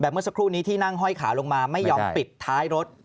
แต่เมื่อสักครู่นี้ที่นั่งห้อยขาลงมาไม่ยอมปิดท้ายรถ